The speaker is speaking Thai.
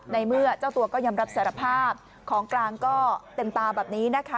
ในเมื่อเจ้าตัวก็ยอมรับสารภาพของกลางก็เต็มตาแบบนี้นะคะ